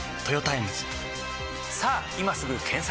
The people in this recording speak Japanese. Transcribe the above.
さぁ今すぐ検索！